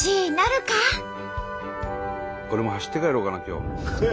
俺も走って帰ろうかな今日。